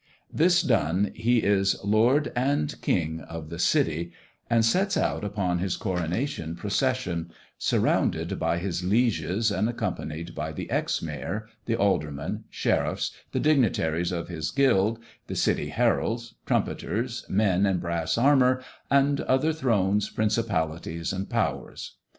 This done, he is Lord and King of the City, and sets out upon his coronation procession, surrounded by his lieges and accompanied by the ex Mayor, the Aldermen, Sheriffs, the dignitaries of his guild, the city heralds, trumpeters, men in brass armour, and other thrones, principalities, and powers.